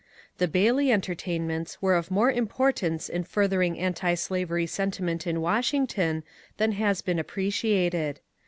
The Bailey entertainments were of more importance in furthering antislavery sentiment in Washington than has been appreciated.